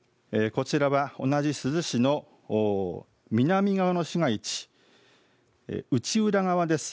こちらは同じ珠洲市の南側の市街地、内浦側です。